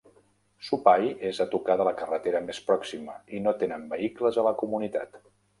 Supai és a tocar de la carretera més pròxima i no tenen vehicles a la comunitat.